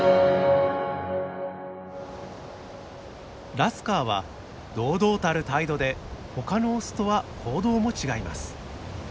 ラスカーは堂々たる態度で他のオスとは行動も違います。